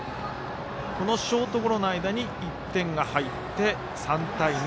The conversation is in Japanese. このショートゴロの間に１点が入って、３対２。